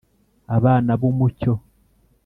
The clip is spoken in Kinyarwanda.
Abana b umucyo